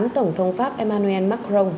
tổng thống pháp emmanuel macron